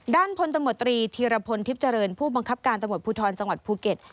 ด้านพลตมตรีธีรพลทิพจริงผู้บังคับการตมตรภูทรจังหวัดภูเก็ต